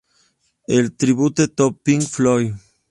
A tribute to Pink Floyd".